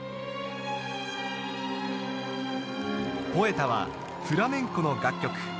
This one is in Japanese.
『ポエタ』はフラメンコの楽曲